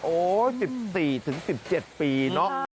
โอ๊ะ๑๔๑๗ปีนะ